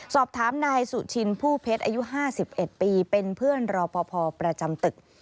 สอบถามนายสุชินผู้เพชรอายุ๕๑ปีเป็นเพื่อนรอปภประจำตึก